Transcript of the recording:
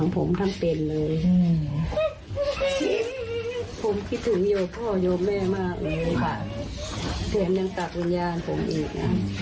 ผมคิดถึงโย่พ่อยโมะแม่มากเลยค่ะเพียงกับศักดิ์วิญญาณผมอีกน่ะ